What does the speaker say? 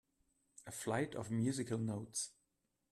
A flight of musical notes.